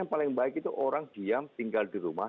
yang paling baik itu orang diam tinggal di rumah